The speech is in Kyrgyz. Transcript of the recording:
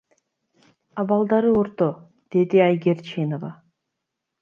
Абалдары орто, — деди Айгерчинова.